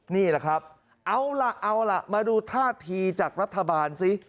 นี่แหละครับเอาล่ะเอาล่ะมาดูท่าทีจากรัฐบาลสิ